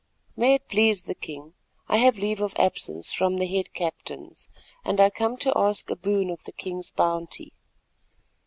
"May it please the king, I have leave of absence from the head captains, and I come to ask a boon of the king's bounty."